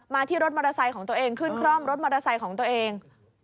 ที่รถมอเตอร์ไซค์ของตัวเองขึ้นคร่อมรถมอเตอร์ไซค์ของตัวเอง